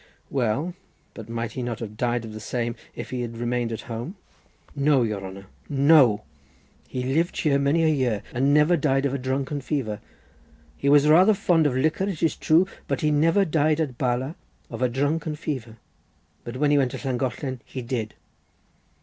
"Well, but might he not have died of the same, if he had remained at home?" "No, your honour, no! he lived here many a year, and never died of a drunken fever; he was rather fond of liquor, it is true, but he never died at Bala of a drunken fever; but when he went to Llangollen he did.